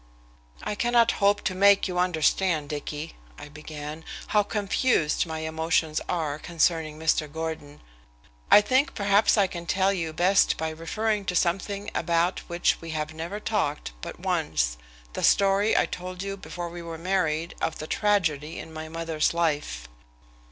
"I cannot hope to make your understand, Dicky," I began, "how confused my emotions are concerning Mr. Gordon. I think perhaps I can tell you best by referring to something about which we have never talked but once the story I told you before we were married of the tragedy in my mother's life."